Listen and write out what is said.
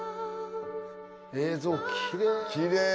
映像きれい。